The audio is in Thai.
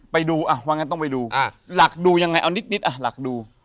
ไปดูวันนี้ต้องไปดูหลักดูยังไงเอานิด